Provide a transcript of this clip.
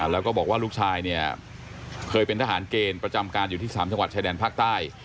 แล้วก็บอกว่าลูกชายเนี่ยเคยเป็นทหารเกณฑ์ประจำการอยู่ที่๓จังหวัดชายแดนภาคใต้